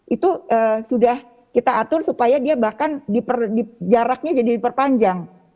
itu sudah kita atur supaya dia bahkan jaraknya jadi diperpanjang